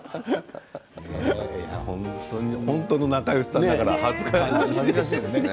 本当の仲よしさんだから恥ずかしいんですね。